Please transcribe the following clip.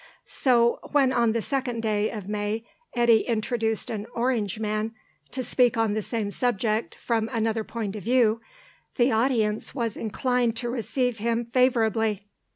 So, when on the second day of May Eddy introduced an Orangeman to speak on the same subject from another point of view, the audience was inclined to receive him favourably.